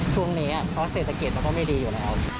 ช่วงนี้เพราะเศรษฐกิจเราก็ไม่ดีอยู่แล้ว